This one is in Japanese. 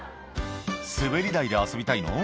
「滑り台で遊びたいの？」